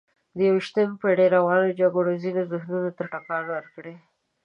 د یویشتمې پېړۍ روانو جګړو ځینو ذهنونو ته ټکان ورکړ.